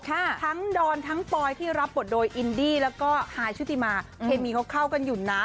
ทั้งดอนทั้งปอยที่รับบทโดยอินดี้แล้วก็ฮายชุติมาเคมีเขาเข้ากันอยู่นะ